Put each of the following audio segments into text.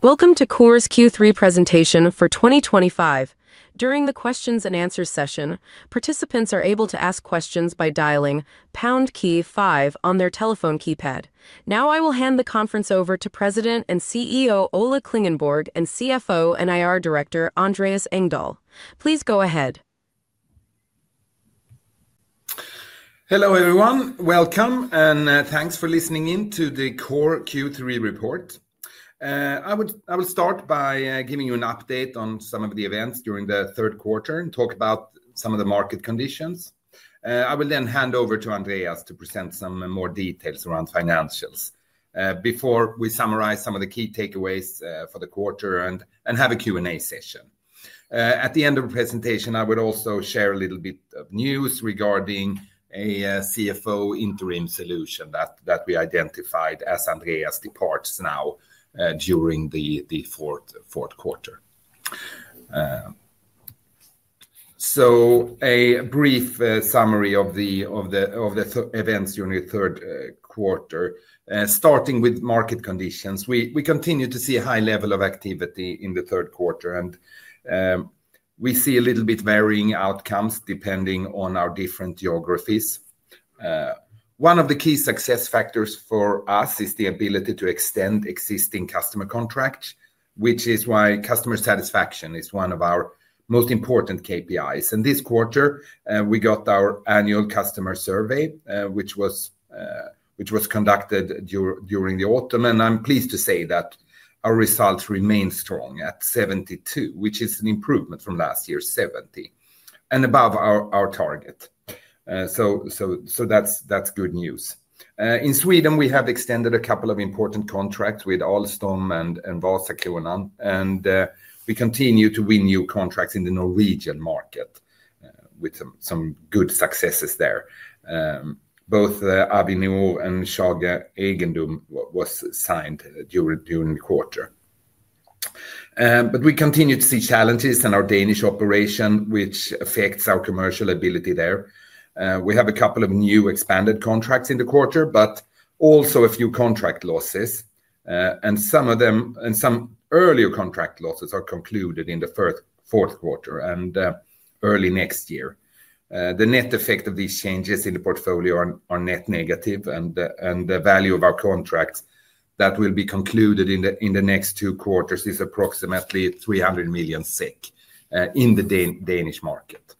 Welcome to Coor's Q3 presentation for 2025. During the questions and answers session, participants are able to ask questions by dialing #KEY-5 on their telephone keypad. Now, I will hand the conference over to President and CEO Ola Klingenborg and CFO and IR Director Andreas Engdahl. Please go ahead. Hello everyone, welcome and thanks for listening in to the Coor Q3 report. I will start by giving you an update on some of the events during the third quarter and talk about some of the market conditions. I will then hand over to Andreas to present some more details around financials before we summarize some of the key takeaways for the quarter and have a Q&A session. At the end of the presentation, I will also share a little bit of news regarding a CFO interim solution that we identified as Andreas departs now during the fourth quarter. A brief summary of the events during the third quarter, starting with market conditions. We continue to see a high level of activity in the third quarter, and we see a little bit varying outcomes depending on our different geographies. One of the key success factors for us is the ability to extend existing customer contracts, which is why customer satisfaction is one of our most important KPIs. This quarter, we got our annual customer survey, which was conducted during the autumn, and I'm pleased to say that our results remain strong at 72, which is an improvement from last year's 70 and above our target. That's good news. In Sweden, we have extended a couple of important contracts with Alstom and Vasakronan, and we continue to win new contracts in the Norwegian market with some good successes there. Both Avenue and Skage Eiendom were signed during the quarter. We continue to see challenges in our Danish operation, which affects our commercial ability there. We have a couple of new expanded contracts in the quarter, but also a few contract losses, and some earlier contract losses are concluded in the fourth quarter and early next year. The net effect of these changes in the portfolio are net negative, and the value of our contracts that will be concluded in the next two quarters is approximately 300 million in the Danish market.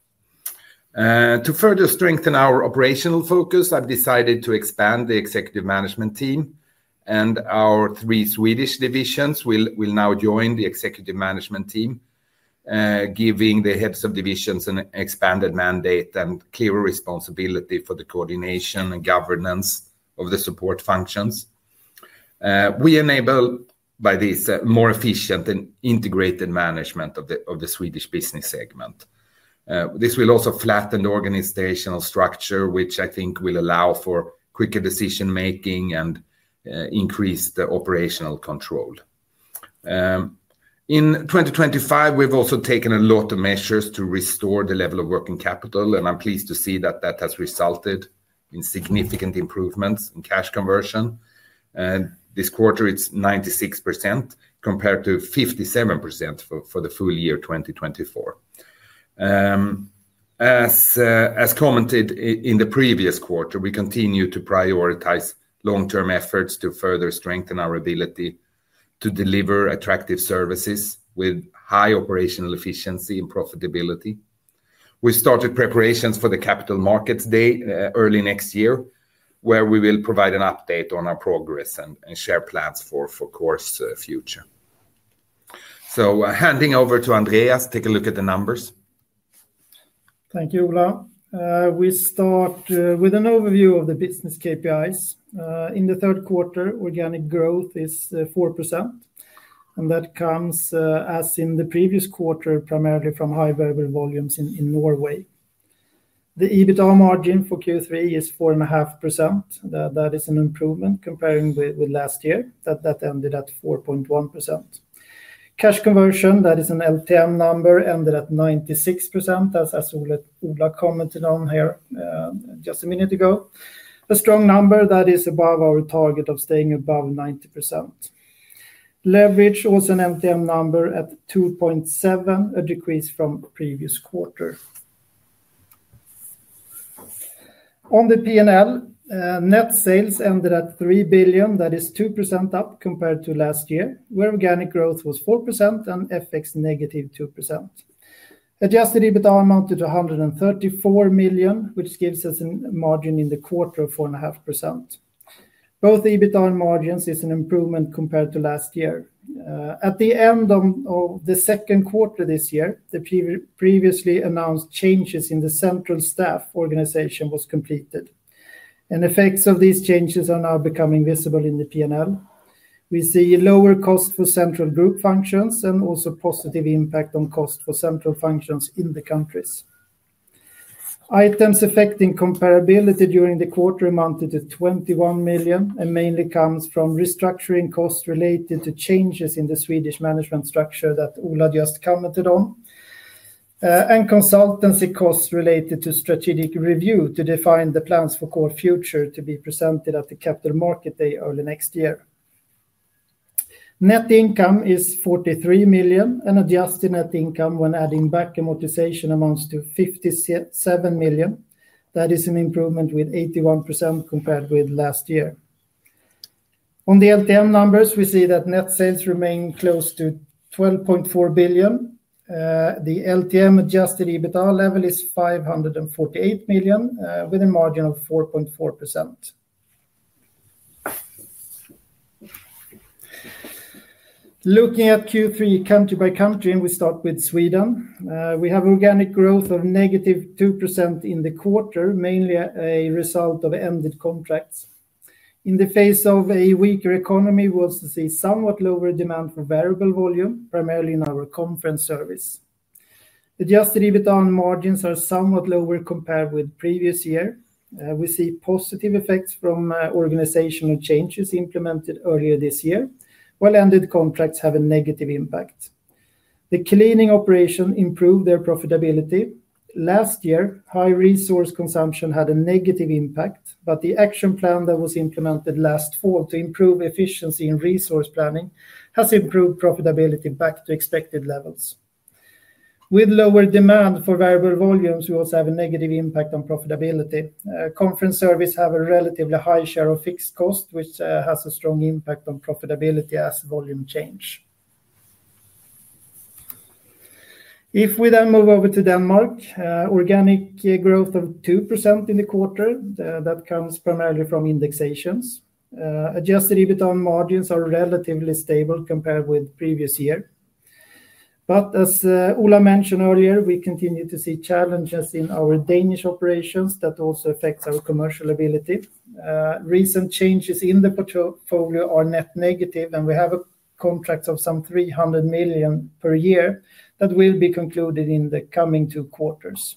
To further strengthen our operational focus, I've decided to expand the executive management team, and our three Swedish divisions will now join the executive management team, giving the heads of divisions an expanded mandate and clearer responsibility for the coordination and governance of the support functions. We enable, by this, more efficient and integrated management of the Swedish business segment. This will also flatten the organizational structure, which I think will allow for quicker decision-making and increased operational control. In 2025, we've also taken a lot of measures to restore the level of working capital, and I'm pleased to see that that has resulted in significant improvements in cash conversion. This quarter, it's 96% compared to 57% for the full year 2024. As commented in the previous quarter, we continue to prioritize long-term efforts to further strengthen our ability to deliver attractive services with high operational efficiency and profitability. We've started preparations for the Capital Markets Day early next year, where we will provide an update on our progress and share plans for Coor's future. Handing over to Andreas, take a look at the numbers. Thank you, Ola. We start with an overview of the business KPIs. In the third quarter, organic growth is 4%, and that comes, as in the previous quarter, primarily from high variable volumes in Norway. The EBITDA margin for Q3 is 4.5%. That is an improvement compared with last year; that ended at 4.1%. Cash conversion, that is an LTM number, ended at 96%, as Ola commented on here just a minute ago. A strong number that is above our target of staying above 90%. Leverage, also an LTM number, at 2.7, a decrease from the previous quarter. On the P&L, net sales ended at 3 billion; that is 2% up compared to last year, where organic growth was 4% and FX negative 2%. Adjusted EBITDA amounted to 134 million, which gives us a margin in the quarter of 4.5%. Both EBITDA and margins are an improvement compared to last year. At the end of the second quarter this year, the previously announced changes in the central staff organization were completed, and effects of these changes are now becoming visible in the P&L. We see a lower cost for central group functions and also a positive impact on cost for central functions in the countries. Items affecting comparability during the quarter amounted to 21 million, and mainly come from restructuring costs related to changes in the Swedish management structure that Ola just commented on, and consultancy costs related to strategic review to define the plans for Coor's future to be presented at the Capital Markets Day early next year. Net income is 43 million, and adjusted net income when adding back amortization amounts to 57 million. That is an improvement with 81% compared with last year. On the LTM numbers, we see that net sales remain close to 12.4 billion. The LTM adjusted EBITDA level is 548 million with a margin of 4.4%. Looking at Q3 country by country, and we start with Sweden. We have organic growth of negative 2% in the quarter, mainly a result of ended contracts. In the face of a weaker economy, we also see somewhat lower demand for variable volume, primarily in our conference service. Adjusted EBITDA and margins are somewhat lower compared with the previous year. We see positive effects from organizational changes implemented earlier this year, while ended contracts have a negative impact. The cleaning operation improved their profitability. Last year, high resource consumption had a negative impact, but the action plan that was implemented last fall to improve efficiency in resource planning has improved profitability back to expected levels. With lower demand for variable volumes, we also have a negative impact on profitability. Conference service has a relatively high share of fixed costs, which has a strong impact on profitability as volume changes. If we then move over to Denmark, organic growth of 2% in the quarter, that comes primarily from indexations. Adjusted EBITDA and margins are relatively stable compared with the previous year. As Ola mentioned earlier, we continue to see challenges in our Danish operations that also affect our commercial ability. Recent changes in the portfolio are net negative, and we have contracts of some 300 million SEK per year that will be concluded in the coming two quarters.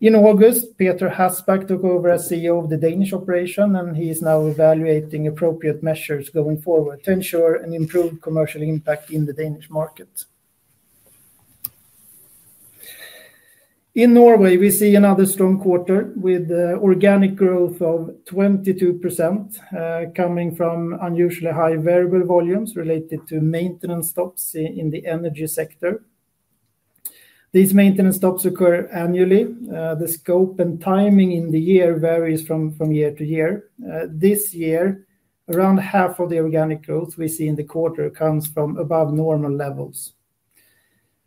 In August, Peter Hasbak took over as CEO of the Danish operation, and he is now evaluating appropriate measures going forward to ensure an improved commercial impact in the Danish market. In Norway, we see another strong quarter with organic growth of 22% coming from unusually high variable volumes related to maintenance stops in the energy sector. These maintenance stops occur annually. The scope and timing in the year varies from year to year. This year, around half of the organic growth we see in the quarter comes from above normal levels.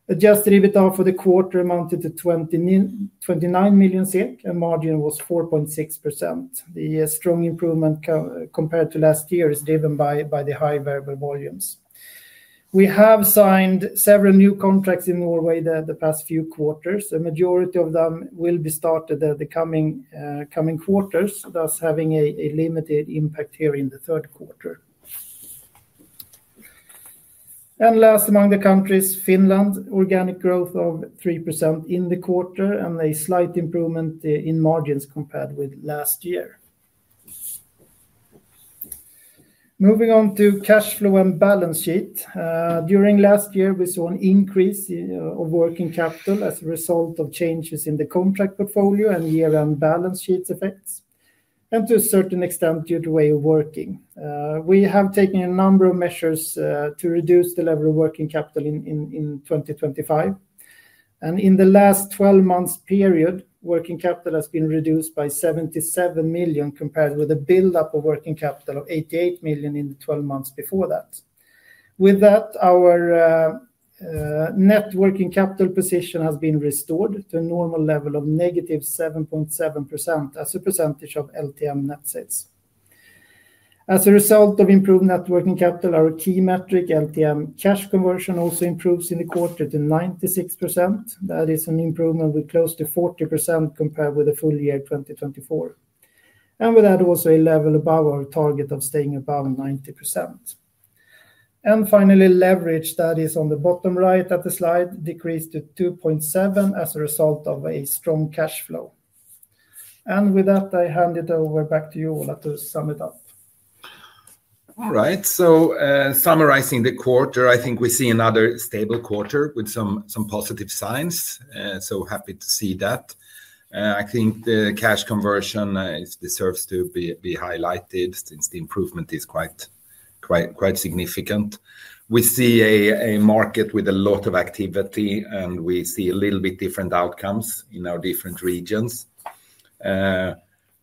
Adjusted EBITDA for the quarter amounted to 29 million SEK, and margin was 4.6%. The strong improvement compared to last year is driven by the high variable volumes. We have signed several new contracts in Norway the past few quarters. A majority of them will be started in the coming quarters, thus having a limited impact here in the third quarter. Last among the countries, Finland, organic growth of 3% in the quarter and a slight improvement in margins compared with last year. Moving on to cash flow and balance sheet. During last year, we saw an increase of working capital as a result of changes in the contract portfolio and year-end balance sheet effects, and to a certain extent due to way of working. We have taken a number of measures to reduce the level of working capital in 2025. In the last 12 months' period, working capital has been reduced by 77 million SEK compared with a build-up of working capital of 88 million SEK in the 12 months before that. With that, our net working capital position has been restored to a normal level of negative 7.7% as a percentage of LTM net sales. As a result of improved net working capital, our key metric, LTM cash conversion, also improves in the quarter to 96%. That is an improvement with close to 40% compared with the full year 2024, a level above our target of staying above 90%. Finally, leverage, that is on the bottom right of the slide, decreased to 2.7% as a result of a strong cash flow. With that, I hand it over back to you all to sum it up. All right, so summarizing the quarter, I think we see another stable quarter with some positive signs, so happy to see that. I think the cash conversion deserves to be highlighted since the improvement is quite significant. We see a market with a lot of activity, and we see a little bit different outcomes in our different regions.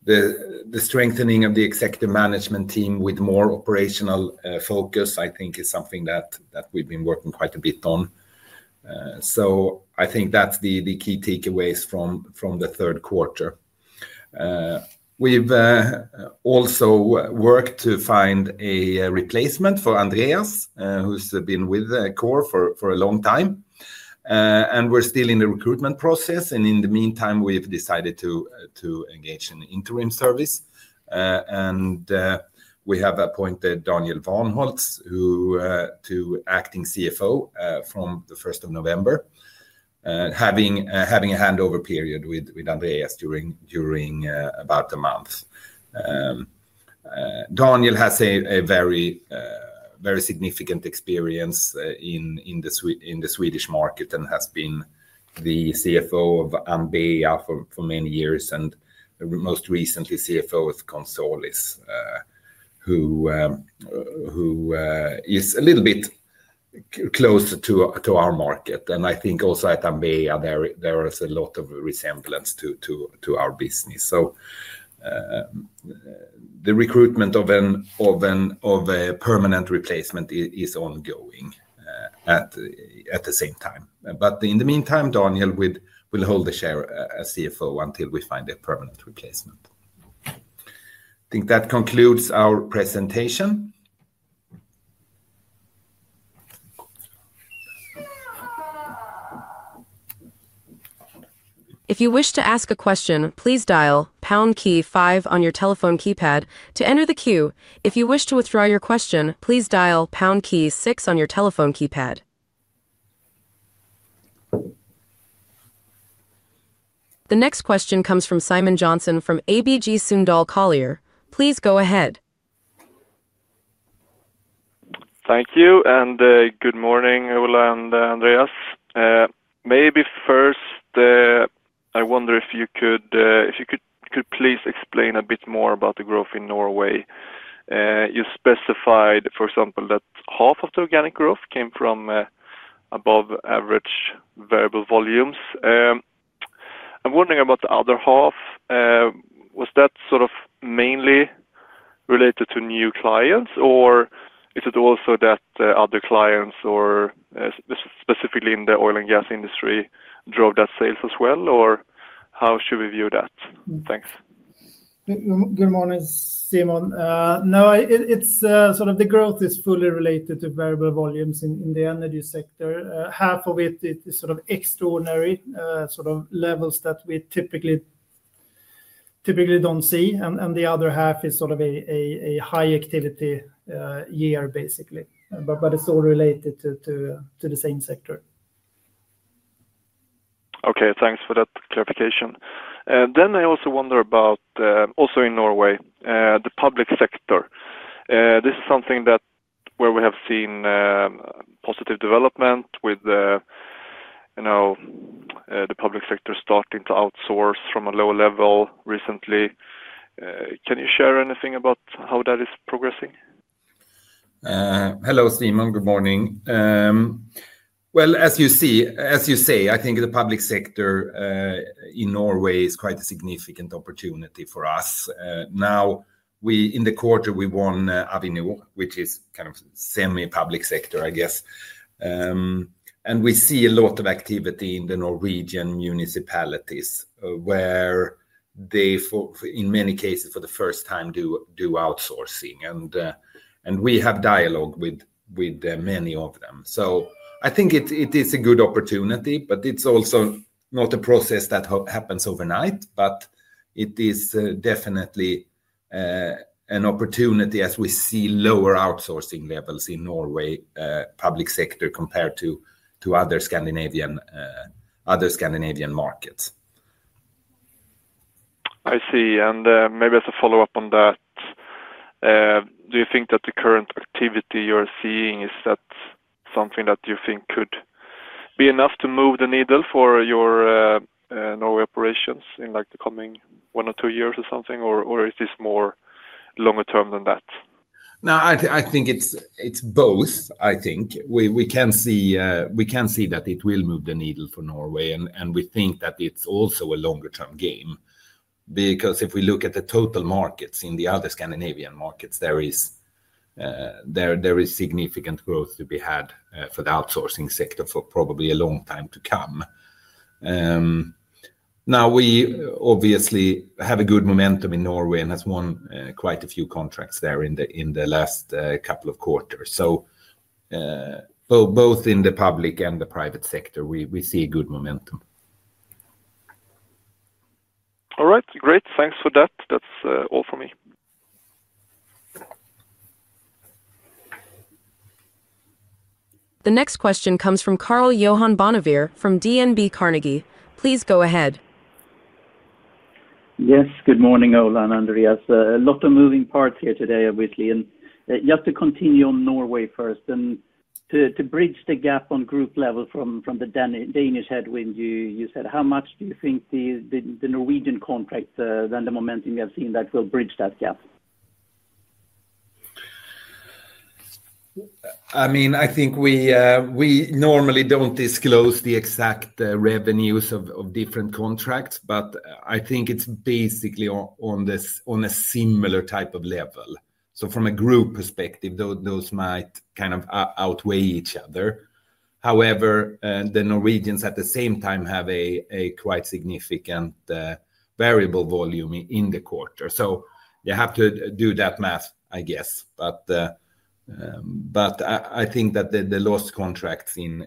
The strengthening of the Executive Management Team with more operational focus, I think, is something that we've been working quite a bit on. I think that's the key takeaways from the third quarter. We've also worked to find a replacement for Andreas Engdahl, who's been with Coor for a long time, and we're still in the recruitment process. In the meantime, we've decided to engage in an interim service, and we have appointed Daniel Wanholt, acting CFO from the 1st of November, having a handover period with Andreas during about a month. Daniel has a very significant experience in the Swedish market and has been the CFO of Ambea for many years, and most recently CFO of Consolis, who is a little bit closer to our market. I think also at Ambea, there is a lot of resemblance to our business. The recruitment of a permanent replacement is ongoing at the same time. In the meantime, Daniel will hold the share as CFO until we find a permanent replacement. I think that concludes our presentation. If you wish to ask a question, please dial #KEY-5 on your telephone keypad to enter the queue. If you wish to withdraw your question, please dial #KEY-6 on your telephone keypad. The next question comes from Simon Johnson from ABG Sundal Collier. Please go ahead. Thank you, and good morning, Ola and Andreas. Maybe first, I wonder if you could please explain a bit more about the growth in Norway. You specified, for example, that half of the organic growth came from above-average variable volumes. I'm wondering about the other half. Was that sort of mainly related to new clients, or is it also that other clients, specifically in the oil and gas industry, drove that sales as well? How should we view that? Thanks. Good morning, Simon. No, the growth is fully related to variable volumes in the energy sector. Half of it is extraordinary levels that we typically don't see, and the other half is a high activity year, basically. It's all related to the same sector. Okay, thanks for that clarification. I also wonder about, also in Norway, the public sector. This is something where we have seen positive development with the public sector starting to outsource from a lower level recently. Can you share anything about how that is progressing? Hello, Simon. Good morning. As you say, I think the public sector in Norway is quite a significant opportunity for us. In the quarter, we won Avenue, which is kind of semi-public sector, I guess. We see a lot of activity in the Norwegian municipalities where they, in many cases, for the first time, do outsourcing. We have dialogue with many of them. I think it is a good opportunity, but it's also not a process that happens overnight. It is definitely an opportunity as we see lower outsourcing levels in Norway, public sector, compared to other Scandinavian markets. I see. Maybe as a follow-up on that, do you think that the current activity you're seeing is something that you think could be enough to move the needle for your Norway operations in the coming one or two years, or is this more longer term than that? No, I think it's both. I think we can see that it will move the needle for Norway, and we think that it's also a longer-term game because if we look at the total markets in the other Scandinavian markets, there is significant growth to be had for the outsourcing sector for probably a long time to come. Now, we obviously have a good momentum in Norway and have won quite a few contracts there in the last couple of quarters. Both in the public and the private sector, we see good momentum. All right, great. Thanks for that. That's all for me. The next question comes from Karl-Johan Bonnevier from DNB Carnegie. Please go ahead. Yes, good morning, Ola and Andreas. A lot of moving parts here today, obviously. Just to continue on Norway first and to bridge the gap on group level from the Danish headwind you said, how much do you think the Norwegian contracts and the momentum you have seen that will bridge that gap? I mean, I think we normally don't disclose the exact revenues of different contracts, but I think it's basically on a similar type of level. From a group perspective, those might kind of outweigh each other. However, the Norwegians at the same time have a quite significant variable volume in the quarter. You have to do that math, I guess. I think that the lost contracts in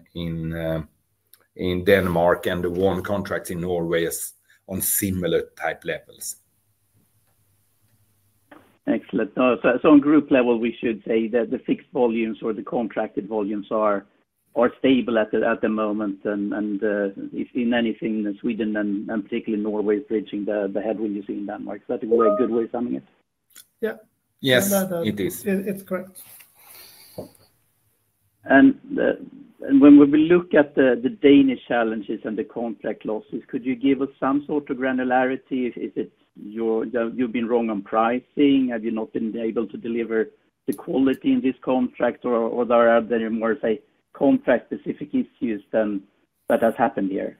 Denmark and the won contracts in Norway are on similar type levels. Excellent. On group level, we should say that the fixed volumes or the contracted volumes are stable at the moment. If anything, Sweden and particularly Norway is bridging the headwind you see in Denmark. Is that a good way of summing it? Yeah. Yes, it is. It's correct. When we look at the Danish challenges and the contract losses, could you give us some sort of granularity? Is it you've been wrong on pricing? Have you not been able to deliver the quality in this contract? Are there more contract-specific issues that have happened here?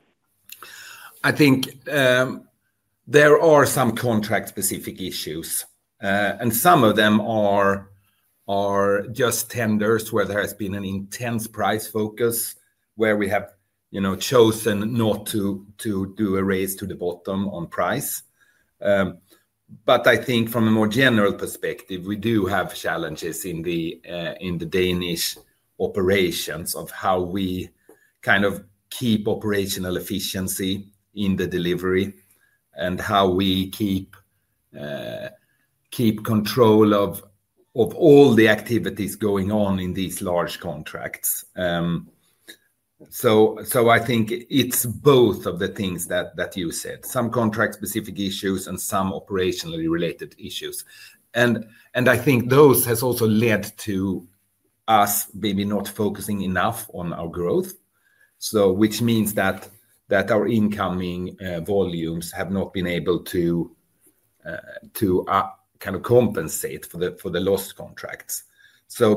I think there are some contract-specific issues, and some of them are just tenders, where there has been an intense price focus, where we have chosen not to do a race to the bottom on price. From a more general perspective, we do have challenges in the Danish operations of how we kind of keep operational efficiency in the delivery and how we keep control of all the activities going on in these large contracts. I think it's both of the things that you said, some contract-specific issues and some operationally related issues. I think those have also led to us maybe not focusing enough on our growth, which means that our incoming volumes have not been able to kind of compensate for the lost contracts.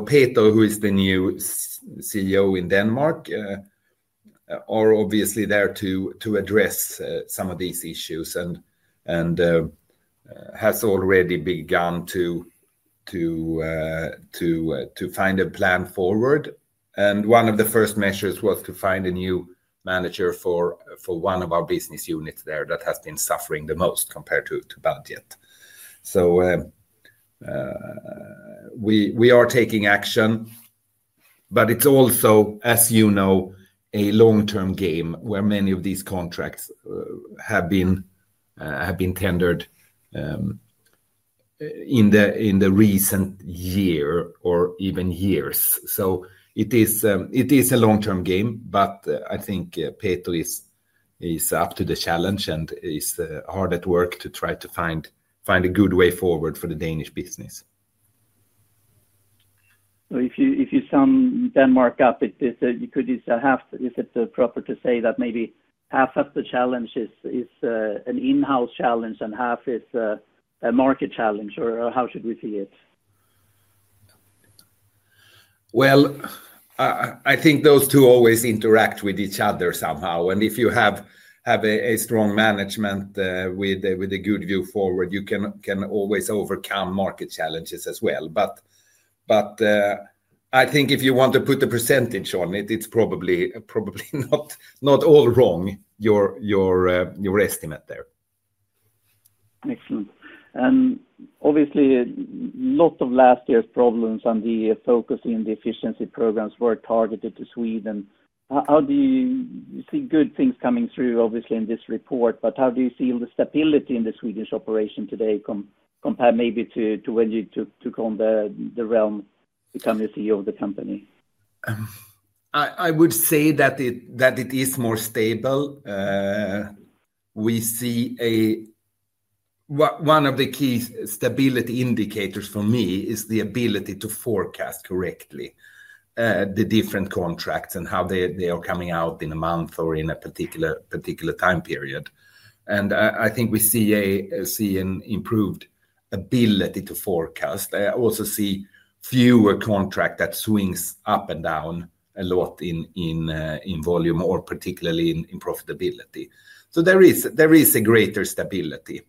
Peter, who is the new CEO in Denmark, is obviously there to address some of these issues and has already begun to find a plan forward. One of the first measures was to find a new manager for one of our business units there that has been suffering the most compared to budget. We are taking action, but it's also, as you know, a long-term game where many of these contracts have been tendered in the recent year or even years. It is a long-term game, but I think Peter is up to the challenge and is hard at work to try to find a good way forward for the Danish business. If you sum Denmark up, is it proper to say that maybe half of the challenge is an in-house challenge and half is a market challenge? How should we see it? I think those two always interact with each other somehow. If you have a strong management with a good view forward, you can always overcome market challenges as well. I think if you want to put a % on it, it's probably not all wrong, your estimate there. Excellent. Obviously, a lot of last year's problems and the focus in the efficiency programs were targeted to Sweden. You see good things coming through, obviously, in this report, but how do you feel the stability in the Swedish operation today compared maybe to when you took on the realm becoming the CEO of the company? I would say that it is more stable. One of the key stability indicators for me is the ability to forecast correctly the different contracts and how they are coming out in a month or in a particular time period. I think we see an improved ability to forecast. I also see fewer contracts that swing up and down a lot in volume or particularly in profitability. There is a greater stability,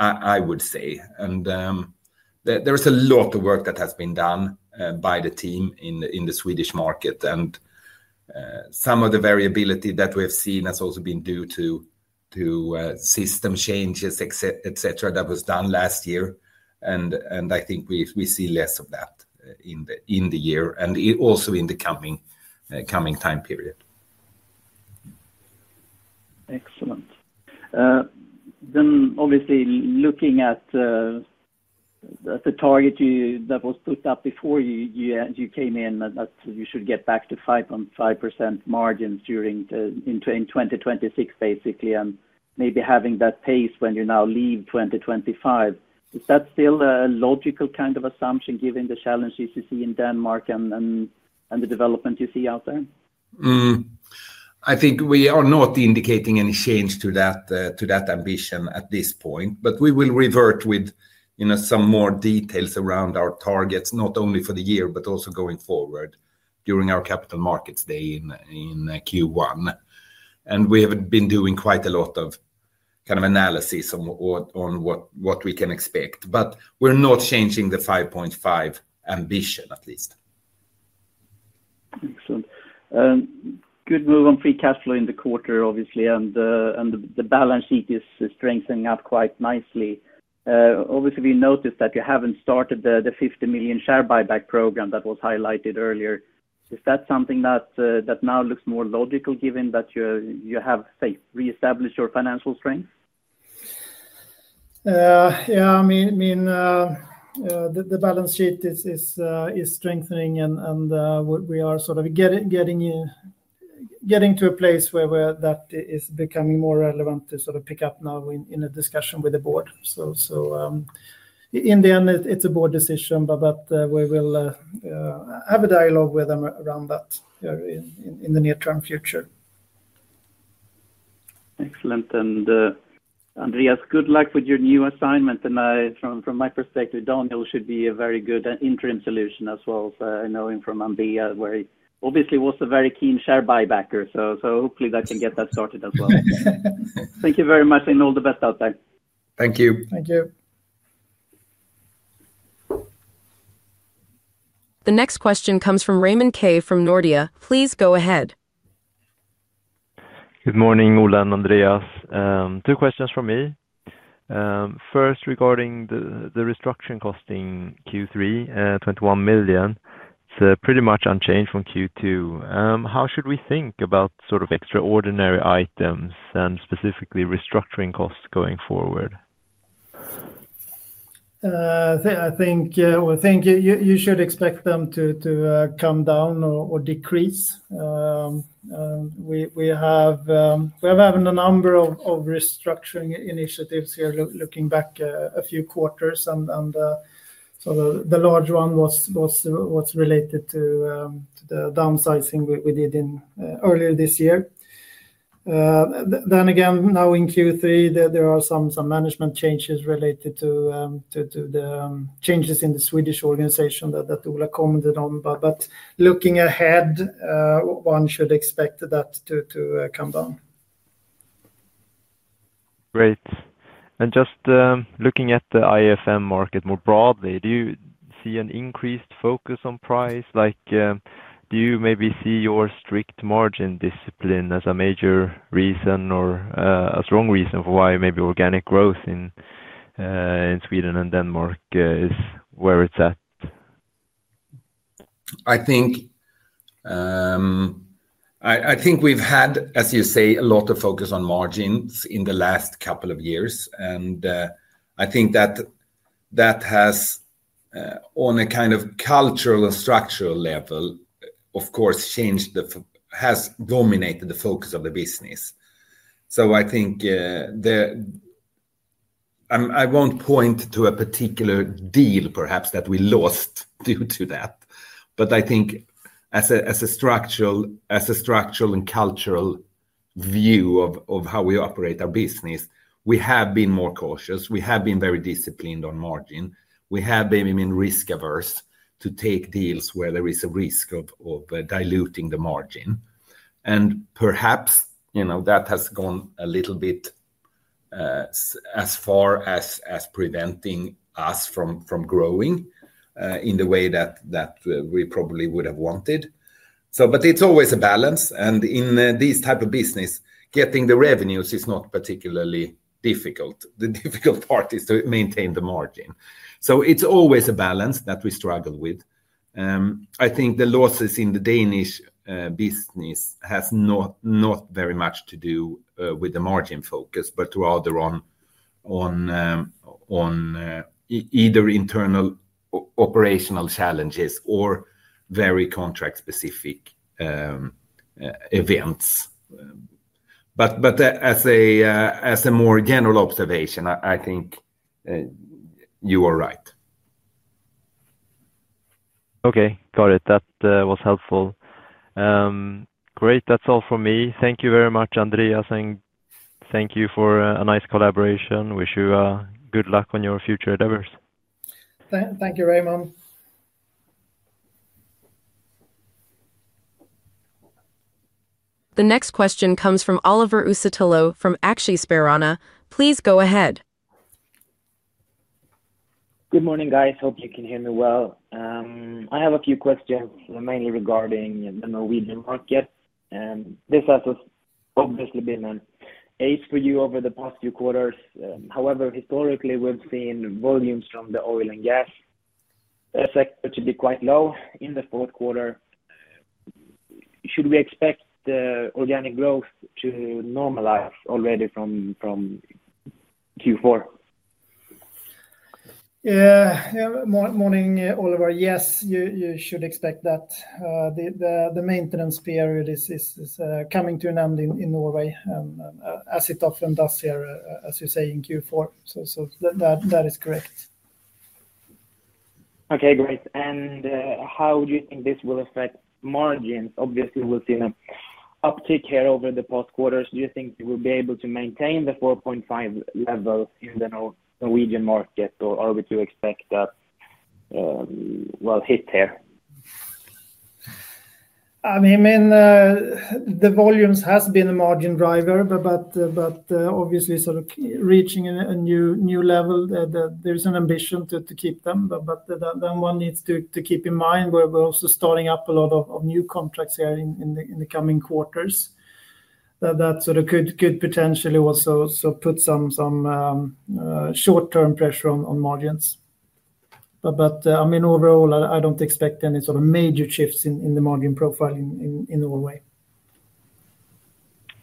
I would say. There is a lot of work that has been done by the team in the Swedish market. Some of the variability that we have seen has also been due to system changes, etc., that was done last year. I think we see less of that in the year and also in the coming time period. Excellent. Obviously, looking at the target that was put up before you came in, that you should get back to 5.5% margins in 2026, basically, and maybe having that pace when you now leave 2025. Is that still a logical kind of assumption given the challenges you see in Denmark and the development you see out there? I think we are not indicating any change to that ambition at this point. We will revert with some more details around our targets, not only for the year, but also going forward during our Capital Markets Day in Q1. We have been doing quite a lot of analysis on what we can expect. We're not changing the 5.5% ambition, at least. Excellent. Good move on free cash flow in the quarter, obviously. The balance sheet is strengthening up quite nicely. Obviously, we noticed that you haven't started the 50 million share buyback program that was highlighted earlier. Is that something that now looks more logical given that you have reestablished your financial strength? Yeah, I mean, the balance sheet is strengthening, and we are sort of getting to a place where that is becoming more relevant to sort of pick up now in a discussion with the board. In the end, it's a board decision, but we will have a dialogue with them around that here in the near-term future. Excellent. Andreas, good luck with your new assignment. From my perspective, Daniel should be a very good interim solution as well. I know him from Ambea, where he obviously was a very keen share buybacker. Hopefully, I can get that started as well. Thank you very much, and all the best out there. Thank you. Thank you. The next question comes from Raymond Kay from Nordea. Please go ahead. Good morning, Ola and Andreas. Two questions from me. First, regarding the restructuring cost in Q3, $21 million. It's pretty much unchanged from Q2. How should we think about sort of extraordinary items and specifically restructuring costs going forward? I think you should expect them to come down or decrease. We have had a number of restructuring initiatives here looking back a few quarters, and the large one was related to the downsizing we did earlier this year. Again, now in Q3, there are some management changes related to the changes in the Swedish organization that Ola Klingenborg commented on. Looking ahead, one should expect that to come down. Great. Just looking at the IFM market more broadly, do you see an increased focus on price? Do you maybe see your strict margin discipline as a major reason or a strong reason for why maybe organic growth in Sweden and Denmark is where it's at? I think we've had, as you say, a lot of focus on margins in the last couple of years. I think that has, on a kind of cultural and structural level, of course, changed and has dominated the focus of the business. I think I won't point to a particular deal perhaps that we lost due to that. I think as a structural and cultural view of how we operate our business, we have been more cautious. We have been very disciplined on margin. We have been risk-averse to take deals where there is a risk of diluting the margin. Perhaps that has gone a little bit as far as preventing us from growing in the way that we probably would have wanted. It's always a balance. In this type of business, getting the revenues is not particularly difficult. The difficult part is to maintain the margin. It's always a balance that we struggle with. I think the losses in the Danish business have not very much to do with the margin focus, but rather on either internal operational challenges or very contract-specific events. As a more general observation, I think you are right. Okay, got it. That was helpful. Great. That's all for me. Thank you very much, Andreas, and thank you for a nice collaboration. Wish you good luck on your future endeavors. Thank you, Raymond. The next question comes from Oliver Uusitalo from Aktiespararna. Please go ahead. Good morning, guys. Hope you can hear me well. I have a few questions, mainly regarding the Norwegian market. This has obviously been an ace for you over the past few quarters. However, historically, we've seen volumes from the oil and gas sector to be quite low in the fourth quarter. Should we expect organic growth to normalize already from Q4? Morning, Oliver. Yes, you should expect that. The maintenance period is coming to an end in Norway, as it often does here, as you say, in Q4. That is correct. Okay, great. How do you think this will affect margins? Obviously, we've seen an uptick here over the past quarters. Do you think we'll be able to maintain the 4.5% level in the Norwegian market, or are we to expect that hit here? I mean, the volumes have been a margin driver, but obviously, sort of reaching a new level, there is an ambition to keep them. One needs to keep in mind we're also starting up a lot of new contracts here in the coming quarters. That sort of could potentially also put some short-term pressure on margins. I mean, overall, I don't expect any sort of major shifts in the margin profile in Norway.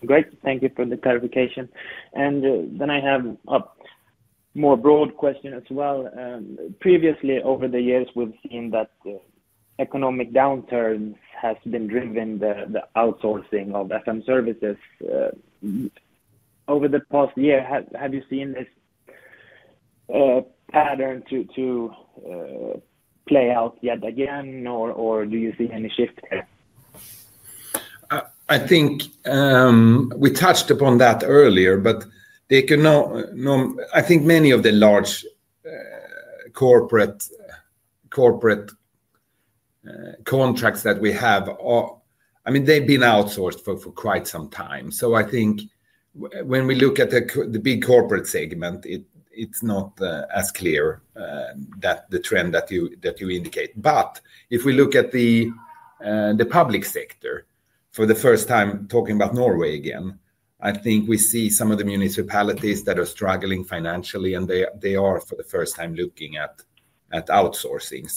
Great. Thank you for the clarification. I have a more broad question as well. Previously, over the years, we've seen that the economic downturn has driven the outsourcing of FM services. Over the past year, have you seen this pattern play out yet again, or do you see any shift here? I think we touched upon that earlier, but I think many of the large corporate contracts that we have, I mean, they've been outsourced for quite some time. I think when we look at the big corporate segment, it's not as clear the trend that you indicate. If we look at the public sector, for the first time, talking about Norway again, I think we see some of the municipalities that are struggling financially, and they are for the first time looking at outsourcing.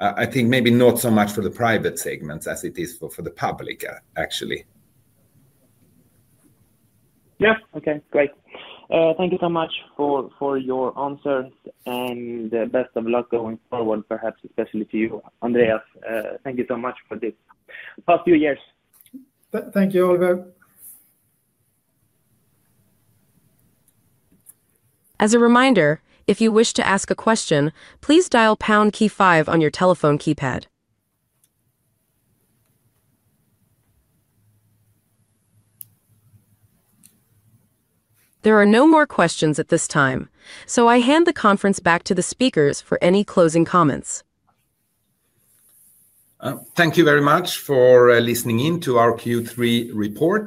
I think maybe not so much for the private segments as it is for the public, actually. Okay, great. Thank you so much for your answers, and best of luck going forward, perhaps especially to you, Andreas. Thank you so much for this past few years. Thank you, Oliver. As a reminder, if you wish to ask a question, please dial #KEY-5 on your telephone keypad. There are no more questions at this time, so I hand the conference back to the speakers for any closing comments. Thank you very much for listening in to our Q3 report.